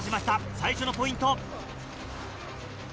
最初のポイント。